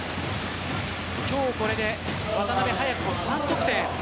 今日、これで渡邊早くも３得点。